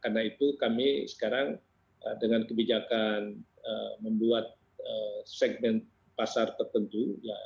karena itu kami sekarang dengan kebijakan membuat segmen pasar tertentu